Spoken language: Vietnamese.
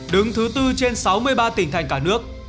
đứng thứ bốn trên sáu mươi ba tỉnh thành cả nước